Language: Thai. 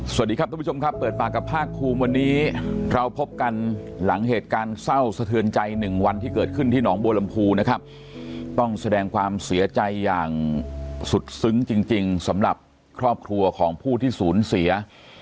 สวัสดีครับทุกผู้ชมครับเปิดปากกับภาคภูมิวันนี้เราพบกันหลังเหตุการณ์เศร้าสะเทือนใจหนึ่งวันที่เกิดขึ้นที่หนองบัวลำพูนะครับต้องแสดงความเสียใจอย่างสุดซึ้งจริงสำหรับครอบครัวของผู้ที่สูญเสีย